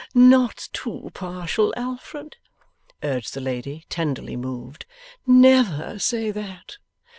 Not too partial, Alfred,' urged the lady, tenderly moved; 'never say that.